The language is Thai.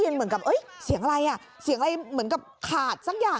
คนเจ็บนอนกองอยู่บนพื้นนะฮะอะไรไหม